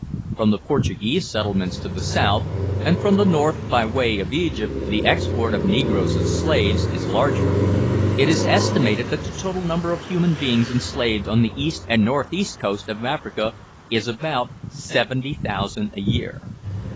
From the Portuguese settlements to the south, and from the north by way of Egypt, the export of negroes as slaves is larger. It is estimated that the total number of human beings enslaved on the east and north east coast of Africa is about 70,000 a year.